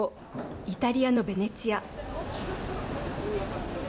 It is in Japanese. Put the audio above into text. イタリアのベネチア。